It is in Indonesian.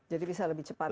jadi bisa lebih cepat ya